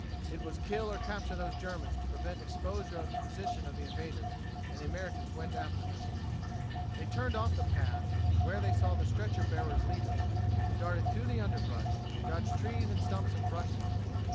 It was kill or capture those Germans to prevent exposure of the position of the invaders, and the Americans went after them. They turned off the path where they saw the stretcher bearers leave it, darted through the underbrush, dodged trees and stumps and brushes.